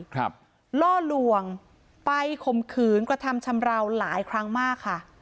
ล่อลวงไปข่มขืนกระทำชำราวหลายครั้งมากค่ะ